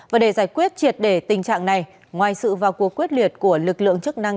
và để giải quyết triệt đề tình trạng này ngoài sự vào cuộc quyết liệt của lực lượng chức năng